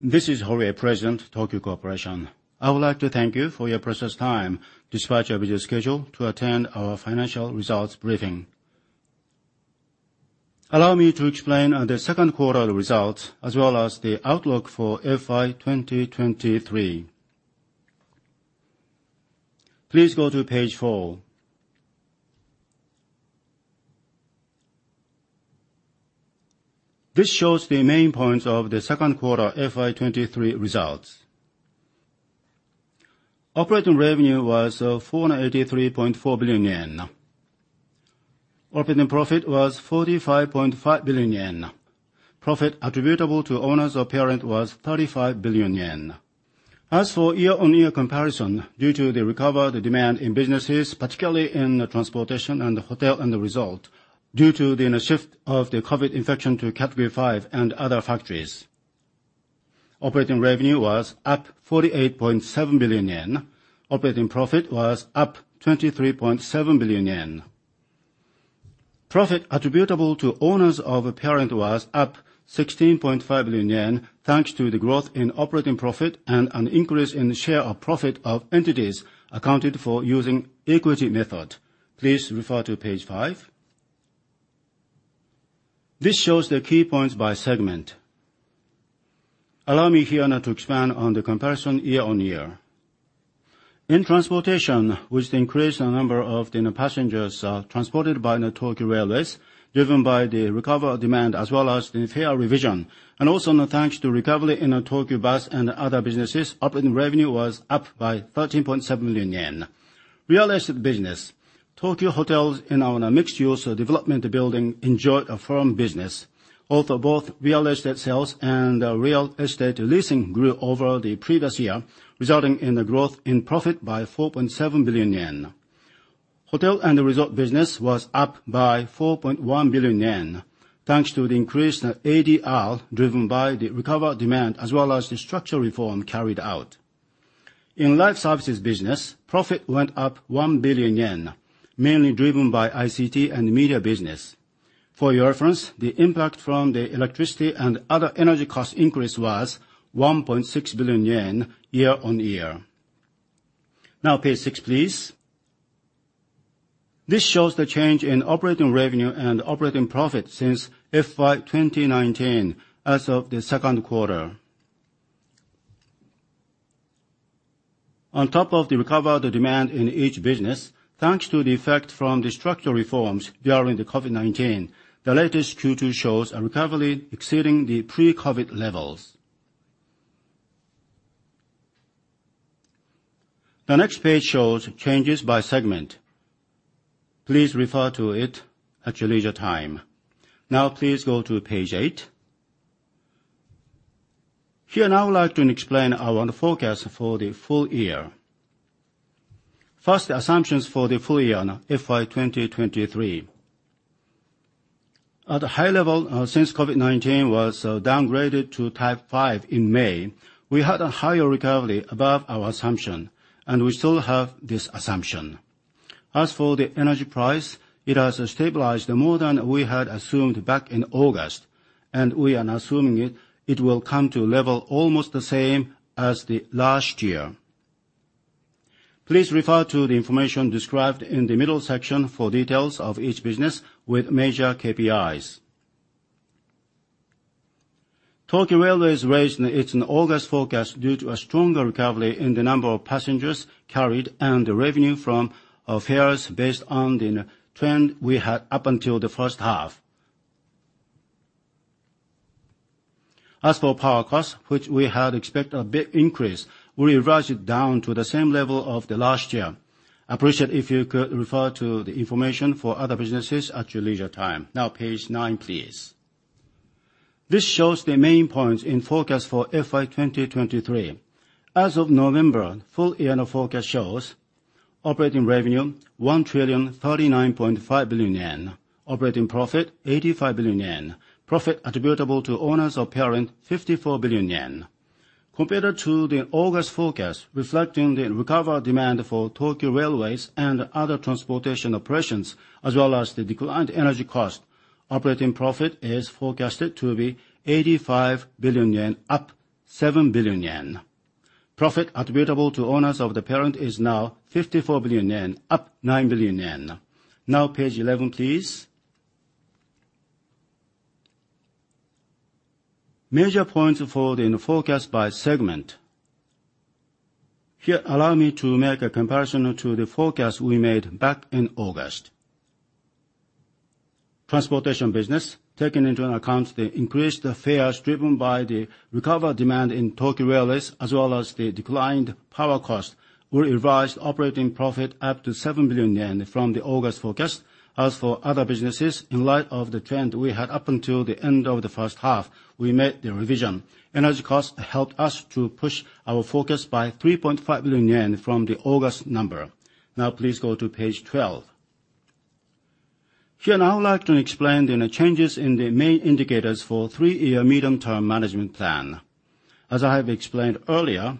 This is Horie, President, Tokyu Corporation. I would like to thank you for your precious time despite your busy schedule to attend our financial results briefing. Allow me to explain the second quarter results, as well as the outlook for FY 2023. Please go to page four. This shows the main points of the second quarter FY 2023 results. Operating revenue was 483.4 billion yen. Operating profit was 45.5 billion yen. Profit attributable to owners of parent was 35 billion yen. As for year-on-year comparison, due to the recovered demand in businesses, particularly in transportation and hotel and resort, due to the shift of the COVID-19 infection to Category 5 and other factors, operating revenue was up 48.7 billion yen. Operating profit was up 23.7 billion yen. Profit attributable to owners of parent was up 16.5 billion yen, thanks to the growth in operating profit and an increase in the share of profit of entities accounted for using equity method. Please refer to page five. This shows the key points by segment. Allow me here now to expand on the comparison year-on-year. In transportation, with the increased number of passengers transported by the Tokyu Railways, driven by the recovered demand as well as the fare revision, and also thanks to recovery in Tokyu Bus and other businesses, operating revenue was up by 13.7 billion yen. Real estate business. Tokyu Hotels in our mixed-use development building enjoyed a firm business. Also, both real estate sales and real estate leasing grew over the previous year, resulting in the growth in profit by 4.7 billion yen. Hotel and resort business was up by 4.1 billion yen, thanks to the increased ADR driven by the recovered demand, as well as the structural reform carried out. In life services business, profit went up 1 billion yen, mainly driven by ICT and media business. For your reference, the impact from the electricity and other energy cost increase was 1.6 billion yen year-on-year. Now page six, please. This shows the change in operating revenue and operating profit since FY 2019 as of the second quarter. On top of the recovered demand in each business, thanks to the effect from the structural reforms during the COVID-19, the latest Q2 shows a recovery exceeding the pre-COVID levels. The next page shows changes by segment. Please refer to it at your leisure time. Now please go to page eight. Here now, I would like to explain our forecast for the full year. First, the assumptions for the full year, FY 2023. At a high level, since COVID-19 was downgraded to Type 5 in May, we had a higher recovery above our assumption, and we still have this assumption. As for the energy price, it has stabilized more than we had assumed back in August, and we are assuming it will come to level almost the same as the last year. Please refer to the information described in the middle section for details of each business with major KPIs. Tokyu Railways raised its August forecast due to a stronger recovery in the number of passengers carried and the revenue from fares based on the trend we had up until the first half. As for power costs, which we had expected a big increase, we revised it down to the same level of last year. I appreciate if you could refer to the information for other businesses at your leisure time. page nine, please. This shows the main points in forecast for FY 2023. As of November, full year forecast shows operating revenue, 1,039.5 billion yen, operating profit, 85 billion yen, profit attributable to owners of parent, 54 billion yen. Compared to the August forecast, reflecting the recovered demand for Tokyu Railways and other transportation operations, as well as the declined energy cost, operating profit is forecasted to be 85 billion yen, up 7 billion yen. Profit attributable to owners of the parent is 54 billion yen, up 9 billion yen. page 11, please. Major points for the forecast by segment. Here, allow me to make a comparison to the forecast we made back in August. Transportation business, taking into account the increased fares driven by the recovered demand in Tokyu Railways as well as the declined power cost, we revised operating profit up to 7 billion yen from the August forecast. As for other businesses, in light of the trend we had up until the end of the first half, we made the revision. Energy costs helped us to push our forecast by 3.5 billion yen from the August number. please go to page 12. Here, I would like to explain the changes in the main indicators for three-year medium-term management plan. As I have explained earlier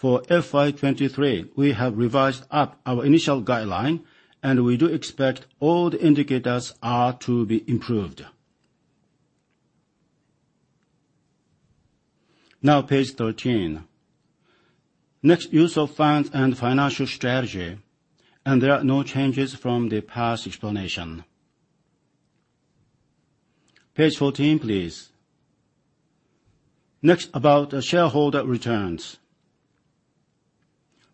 For FY 2023, we have revised up our initial guideline, and we do expect all the indicators are to be improved. page 13. Next, use of funds and financial strategy, there are no changes from the past explanation. page 14, please. Next, about shareholder returns.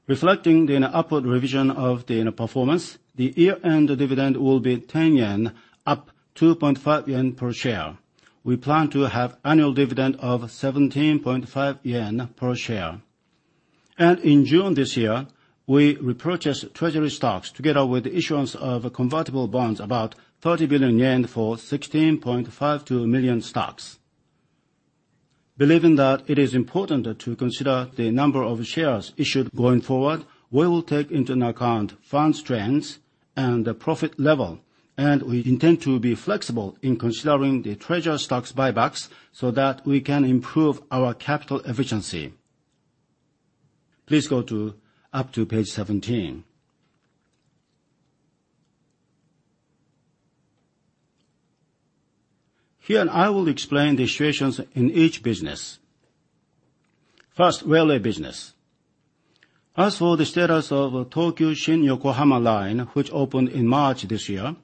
Reflecting an upward revision of the performance, the year-end dividend will be 10 yen, up 2.5 yen per share. We plan to have annual dividend of 17.5 yen per share. In June this year, we repurchased treasury stocks together with the issuance of convertible bonds about 30 billion yen for 16.52 million stocks. Believing that it is important to consider the number of shares issued going forward, we will take into account fund strengths and the profit level, and we intend to be flexible in considering the treasury stocks buybacks so that we can improve our capital efficiency. Please go up to page 17. Here, I will explain the situations in each business. First, railway business. As for the status of Tokyu Shin-Yokohama Line, which opened in March this year,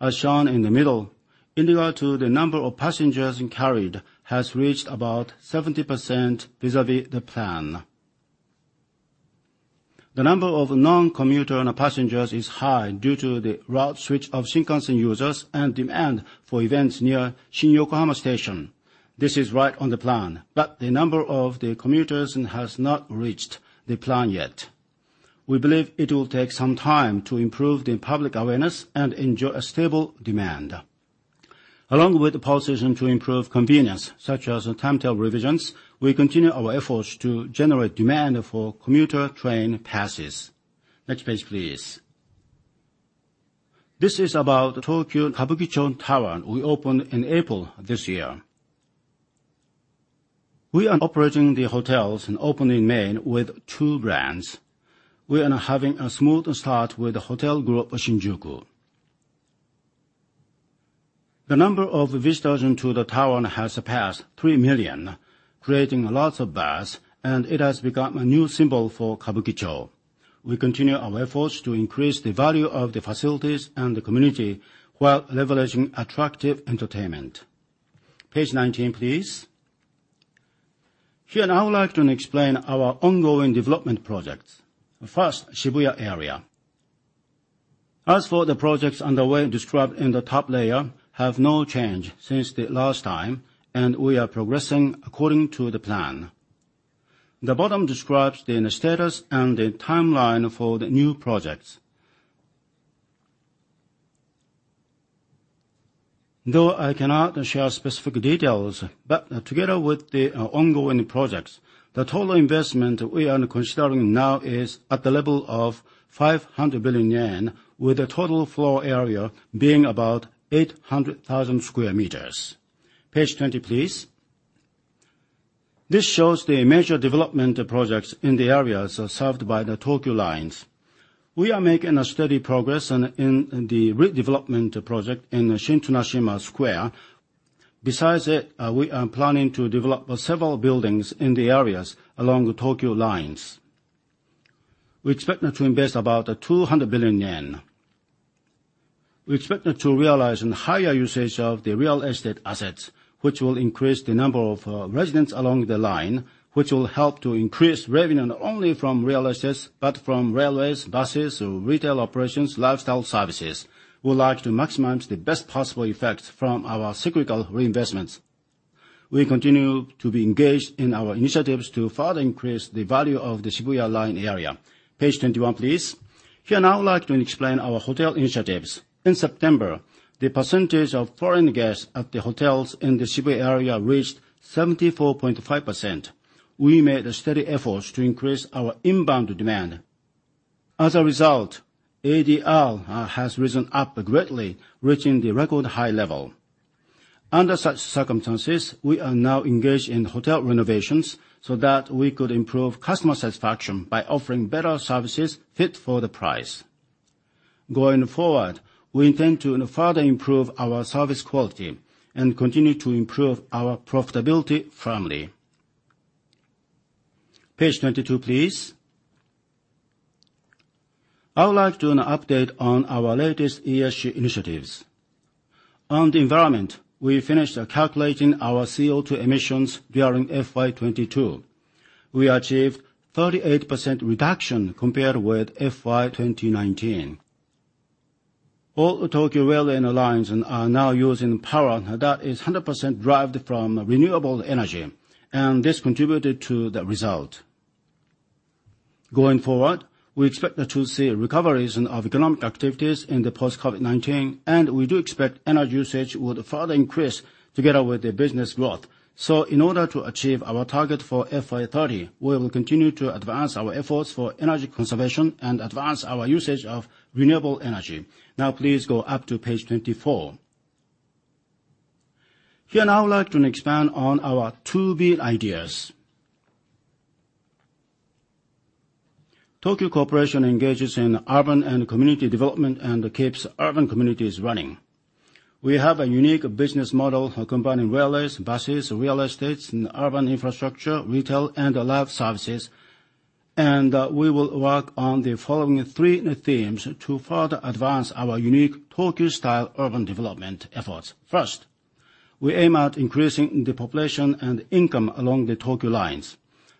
as shown in the middle, in regard to the number of passengers carried has reached about 70% vis-à-vis the plan. The number of non-commuter passengers is high due to the route switch of Shinkansen users and demand for events near Shin-Yokohama Station. This is right on the plan, but the number of the commuters has not reached the plan yet. We believe it will take some time to improve the public awareness and enjoy a stable demand. Along with the position to improve convenience, such as timetable revisions, we continue our efforts to generate demand for commuter train passes. Next page, please. This is about the Tokyu Kabukicho Tower we opened in April this year. We are operating the hotels and opening main with two brands. We are having a smooth start with the Hotel Group Shinjuku. The number of visitors to the tower has surpassed 3 million, creating lots of buzz, and it has become a new symbol for Kabukicho. We continue our efforts to increase the value of the facilities and the community while leveraging attractive entertainment. Page 19, please. Here, I would like to explain our ongoing development projects. First, Shibuya area. As for the projects underway described in the top layer have no change since the last time, and we are progressing according to the plan. The bottom describes the status and the timeline for the new projects. Though I cannot share specific details, together with the ongoing projects, the total investment we are considering now is at the level of 500 billion yen, with the total floor area being about 800,000 sq m. Page 20, please. This shows the major development projects in the areas served by the Tokyu lines. We are making steady progress in the redevelopment project in the Shin-Tsunashima Square. Besides it, we are planning to develop several buildings in the areas along the Tokyu lines. We expect to invest about 200 billion yen. We expect to realize higher usage of the real estate assets, which will increase the number of residents along the line, which will help to increase revenue not only from real estate, but from railways, buses, retail operations, lifestyle services. We would like to maximize the best possible effect from our cyclical reinvestments. We continue to be engaged in our initiatives to further increase the value of the Shibuya line area. Page 21, please. In September, the percentage of foreign guests at the hotels in the Shibuya area reached 74.5%. We made steady efforts to increase our inbound demand. As a result, ADR has risen up greatly, reaching the record high level. Under such circumstances, we are now engaged in hotel renovations so that we could improve customer satisfaction by offering better services fit for the price. Going forward, we intend to further improve our service quality and continue to improve our profitability firmly. Page 22, please. I would like to update on our latest ESG initiatives. On the environment, we finished calculating our CO2 emissions during FY22. We achieved 38% reduction compared with FY 2019. All the Tokyu railway lines are now using power that is 100% derived from renewable energy, and this contributed to the result. Going forward, we expect to see recoveries of economic activities in the post-COVID-19, and we do expect energy usage would further increase together with the business growth. In order to achieve our target for FY30, we will continue to advance our efforts for energy conservation and advance our usage of renewable energy. Now please go up to page 24. Here, now I would like to expand on our to be ideas. Tokyu Corporation engages in urban and community development and keeps urban communities running. We have a unique business model combining railways, buses, real estates, and urban infrastructure, retail, and life services. We will work on the following three themes to further advance our unique Tokyu style urban development efforts. First, we aim at increasing the population and income along the Tokyu lines.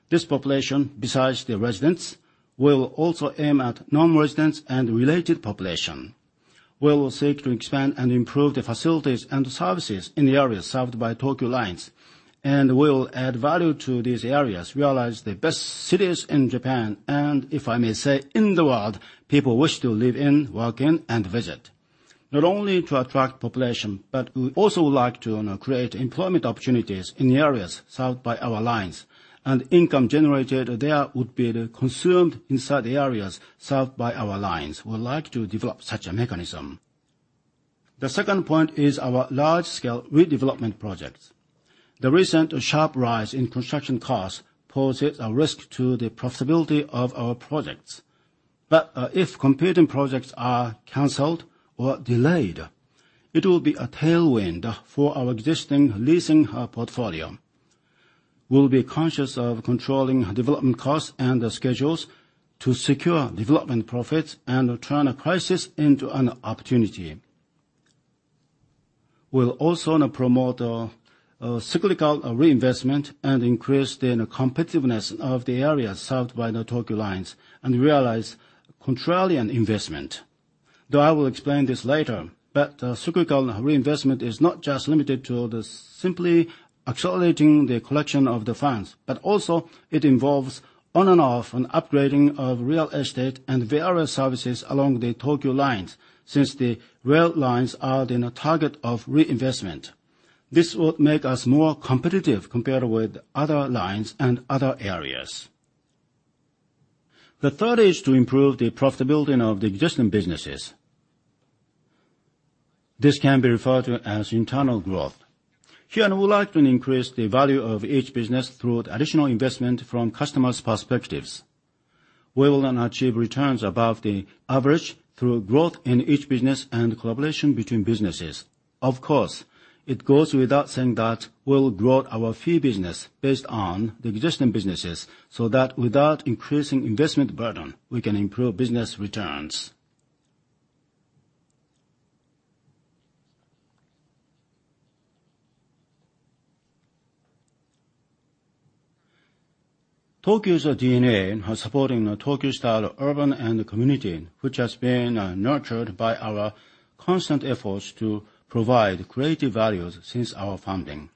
This population, besides the residents, will also aim at non-residents and related population. We will seek to expand and improve the facilities and services in the areas served by Tokyu lines, and we will add value to these areas, realize the best cities in Japan, and if I may say, in the world, people wish to live in, work in, and visit. Not only to attract population, we also would like to create employment opportunities in the areas served by our lines, and income generated there would be consumed inside the areas served by our lines. We would like to develop such a mechanism. The second point is our large-scale redevelopment projects. The recent sharp rise in construction costs poses a risk to the profitability of our projects. If competing projects are canceled or delayed, it will be a tailwind for our existing leasing portfolio. We'll be conscious of controlling development costs and the schedules to secure development profits and turn a crisis into an opportunity. We'll also promote cyclical reinvestment and increase the competitiveness of the areas served by the Tokyu lines and realize contrarian investment, though I will explain this later. Cyclical reinvestment is not just limited to the simply accelerating the collection of the funds, but also it involves on and off an upgrading of real estate and various services along the Tokyu lines since the rail lines are the target of reinvestment. This would make us more competitive compared with other lines and other areas. The third is to improve the profitability of the existing businesses. This can be referred to as internal growth. Here, we would like to increase the value of each business through additional investment from customers' perspectives. We will achieve returns above the average through growth in each business and collaboration between businesses. Of course, it goes without saying that we'll grow our fee business based on the existing businesses, so that without increasing investment burden, we can improve business returns. Tokyu's DNA are supporting a Tokyu-style urban and community, which has been nurtured by our constant efforts to provide creative values since our founding.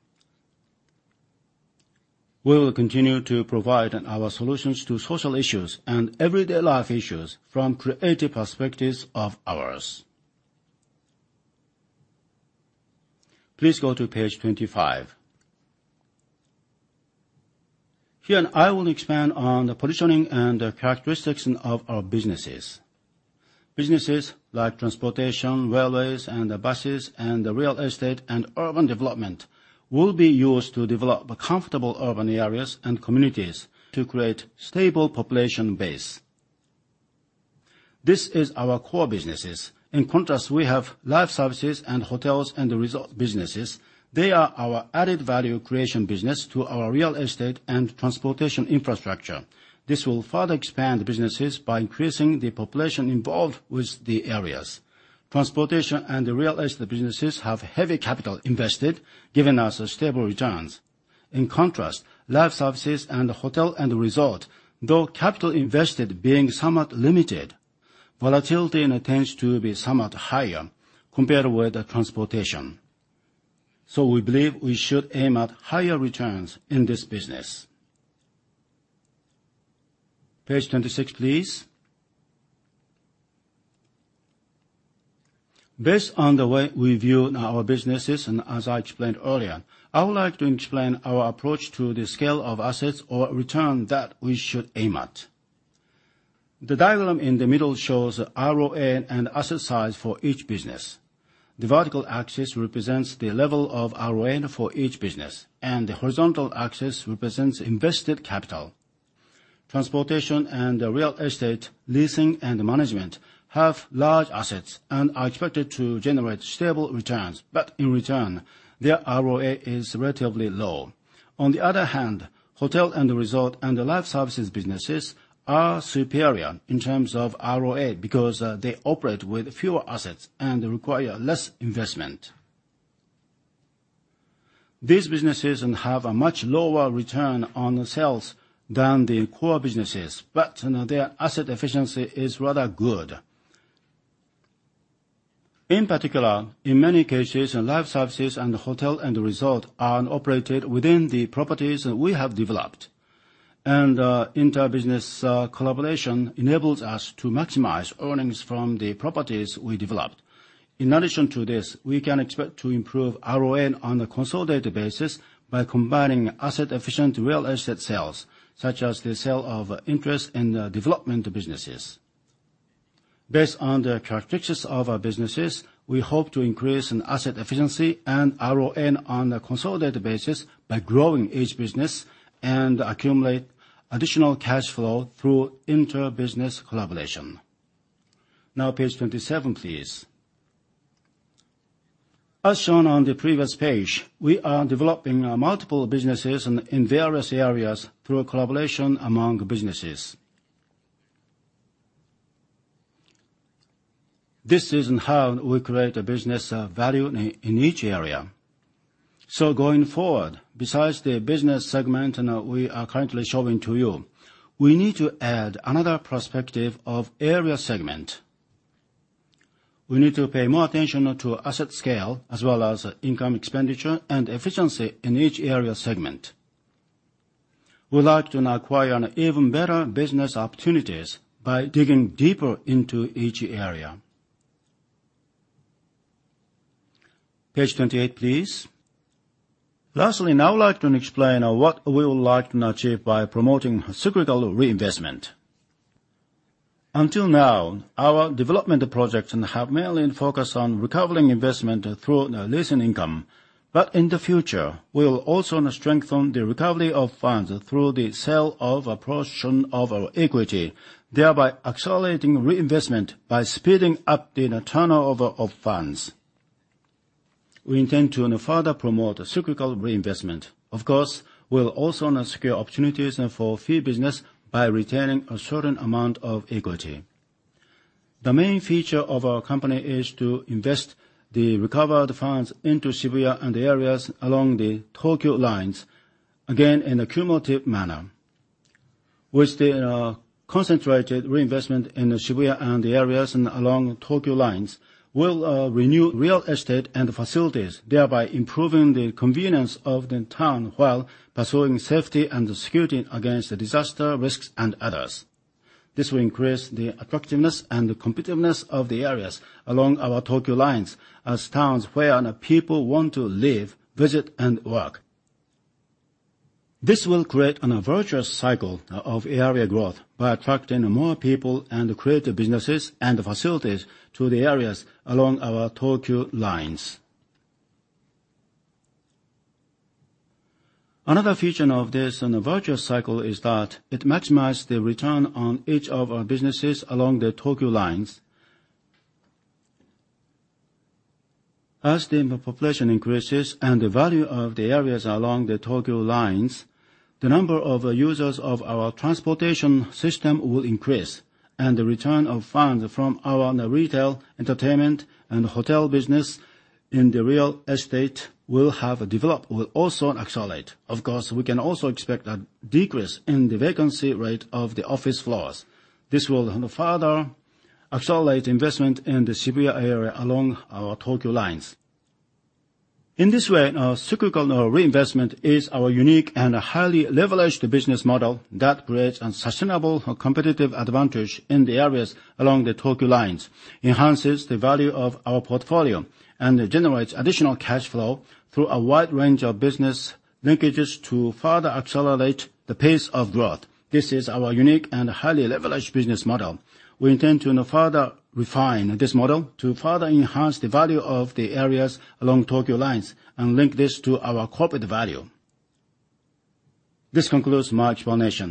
We will continue to provide our solutions to social issues and everyday life issues from creative perspectives of ours. Please go to page 25. Here, I will expand on the positioning and characteristics of our businesses. Businesses like transportation, railways and buses, and real estate and urban development will be used to develop comfortable urban areas and communities to create stable population base. This is our core businesses. In contrast, we have life services and hotels and resort businesses. They are our added value creation business to our real estate and transportation infrastructure. This will further expand businesses by increasing the population involved with the areas. Transportation and real estate businesses have heavy capital invested, giving us stable returns. In contrast, life services and hotel and resort, though capital invested being somewhat limited, volatility tends to be somewhat higher compared with transportation. We believe we should aim at higher returns in this business. Page 26, please. Based on the way we view our businesses, and as I explained earlier, I would like to explain our approach to the scale of assets or return that we should aim at. The diagram in the middle shows ROA and asset size for each business. The vertical axis represents the level of ROA for each business, and the horizontal axis represents invested capital. Transportation and real estate leasing and management have large assets and are expected to generate stable returns, but in return, their ROA is relatively low. On the other hand, hotel and resort and the life services businesses are superior in terms of ROA because they operate with fewer assets and require less investment. These businesses have a much lower return on sales than the core businesses, but their asset efficiency is rather good. In particular, in many cases, life services and hotel and resort are operated within the properties we have developed. Inter-business collaboration enables us to maximize earnings from the properties we developed. In addition to this, we can expect to improve ROA on a consolidated basis by combining asset-efficient real estate sales, such as the sale of interest in the development businesses. Based on the characteristics of our businesses, we hope to increase in asset efficiency and RON on a consolidated basis by growing each business and accumulate additional cash flow through inter-business collaboration. Now, page 27, please. As shown on the previous page, we are developing multiple businesses in various areas through a collaboration among businesses. This is how we create a business value in each area. Going forward, besides the business segment we are currently showing to you, we need to add another perspective of area segment. We need to pay more attention to asset scale as well as income expenditure and efficiency in each area segment. We'd like to now acquire even better business opportunities by digging deeper into each area. Page 28, please. Lastly, now I'd like to explain what we would like to achieve by promoting cyclical reinvestment. Until now, our development projects have mainly focused on recovering investment through leasing income. In the future, we will also now strengthen the recovery of funds through the sale of a portion of our equity, thereby accelerating reinvestment by speeding up the turnover of funds. We intend to now further promote cyclical reinvestment. Of course, we'll also now secure opportunities for fee business by retaining a certain amount of equity. The main feature of our company is to invest the recovered funds into Shibuya and the areas along the Tokyu lines, again, in a cumulative manner. With the concentrated reinvestment in the Shibuya and the areas along Tokyu lines, we'll renew real estate and facilities, thereby improving the convenience of the town while pursuing safety and security against disaster risks and others. This will increase the attractiveness and the competitiveness of the areas along our Tokyu lines as towns where people want to live, visit, and work. This will create a virtuous cycle of area growth by attracting more people and creative businesses and facilities to the areas along our Tokyu lines. Another feature of this virtuous cycle is that it maximize the return on each of our businesses along the Tokyu lines. As the population increases and the value of the areas along the Tokyu lines, the number of users of our transportation system will increase, and the return of funds from our retail, entertainment, and hotel business in the real estate will have developed, will also accelerate. Of course, we can also expect a decrease in the vacancy rate of the office floors. This will further accelerate investment in the Shibuya area along our Tokyu lines. In this way, our cyclical reinvestment is our unique and highly leveraged business model that creates a sustainable competitive advantage in the areas along the Tokyu lines, enhances the value of our portfolio, and generates additional cash flow through a wide range of business linkages to further accelerate the pace of growth. This is our unique and highly leveraged business model. We intend to now further refine this model to further enhance the value of the areas along Tokyu lines and link this to our corporate value. This concludes my explanation.